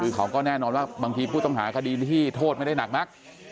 คือเขาก็แน่นอนว่าบางทีผู้ต้องหาคดีที่โทษไม่ได้หนักมาก